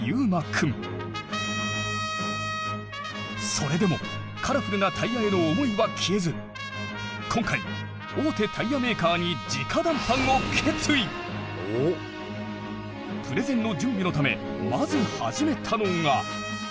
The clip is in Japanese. それでもカラフルなタイヤへの思いは消えず今回大手タイヤメーカーにプレゼンの準備のためまず始めたのが。